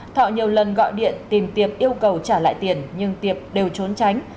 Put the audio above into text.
thọ nhiều lần gọi điện tìm tiệp yêu cầu trả lại tiền nhưng tiệp đều trốn tránh